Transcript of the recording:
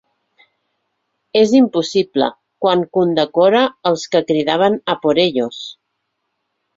És impossible, quan condecora els que cridaven “a por ellos”.